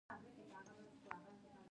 د خودکار قلم نلکه پکې ور تیره کړئ.